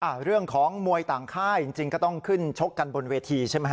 เรื่องของมวยต่างค่ายจริงจริงก็ต้องขึ้นชกกันบนเวทีใช่ไหมฮ